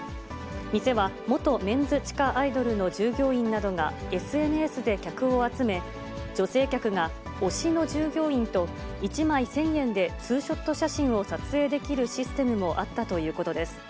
店は元メンズ地下アイドルの従業員などが、ＳＮＳで客を集め、女性客が推しの従業員と１枚１０００円で２ショット写真を撮影できるシステムもあったということです。